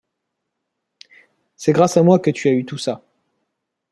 C’est grâce à moi que tu as eu tout ça.